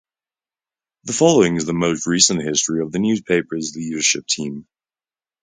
The following is the most recent history of the newspaper's leadership team.